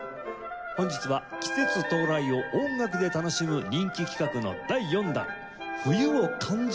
本日は季節到来を音楽で楽しむ人気企画の第４弾。